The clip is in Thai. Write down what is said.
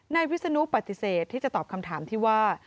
วิศนุปฏิเสธที่จะตอบคำถามที่ว่า